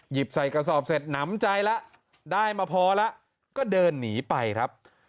ใส่กระสอบเสร็จหนำใจแล้วได้มาพอแล้วก็เดินหนีไปครับ